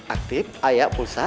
aktif ayah pulsa